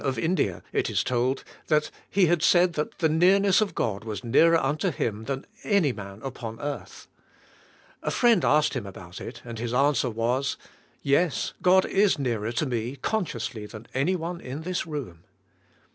13^ of India, it is told, that he had said that the near ness of God was nearer unto him than any man upon earth. A friend asked him about it, and his answer was: '*Yes, God is nearer to me, consciously, than any one in this room."